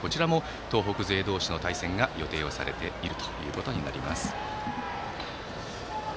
こちらも東北勢同士の対戦が予定されています。